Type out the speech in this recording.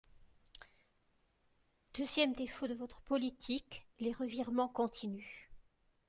Deuxième défaut de votre politique, les revirements continus.